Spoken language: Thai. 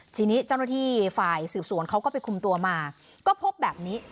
ทีนี้เจ้าหน้าที่ฝ่ายสืบสวนเขาก็ไปคุมตัวมาก็พบแบบนี้